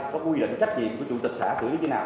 có quy định trách nhiệm của chủ tịch xã xử lý như thế nào